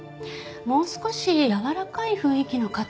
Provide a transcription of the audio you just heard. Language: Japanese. もう少しやわらかい雰囲気の方は。